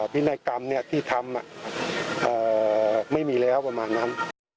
พินัยกรรมที่ทำไม่มีแล้วประมาณนั้น